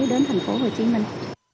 của thành phố hồ chí minh